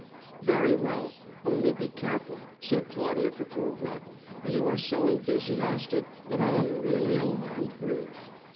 "Very well; only be careful!" said Claudia Petrovna. "You are so enthusiastic that I am really alarmed for you!